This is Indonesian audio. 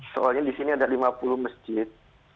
soalnya di sini ada lima puluh masjid